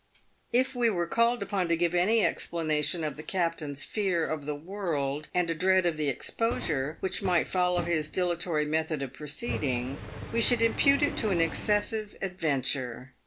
If we were called upon to give any explanation of the captain's fear of the world, and a dread of the exposure, which might follow his dilatory method of proceeding, we should impute it to an excessive adventure.